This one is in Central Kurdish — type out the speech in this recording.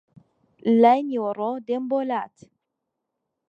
لای نیوەڕۆ دێم بۆ لات